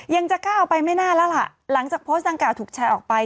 ยังจะก้าวไปไม่น่า้ละหลังจากโพสต์สังกราศถูกใช้ออกไป